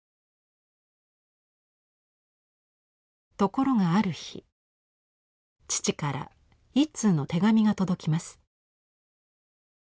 ところがある日父から１通の手紙が届きます。